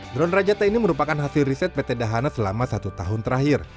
drone rajata ini merupakan hasil riset pt dahana selama satu tahun terakhir